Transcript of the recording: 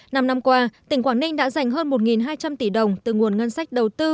năm năm qua tỉnh quảng ninh đã dành hơn một hai trăm linh tỷ đồng từ nguồn ngân sách đầu tư